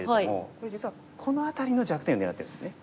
これ実はこの辺りの弱点を狙ってるんですね。